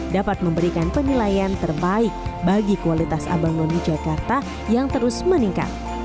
dapat memberikan penilaian terbaik bagi kualitas abang noni jakarta yang terus meningkat